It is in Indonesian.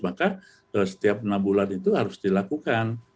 maka setiap enam bulan itu harus dilakukan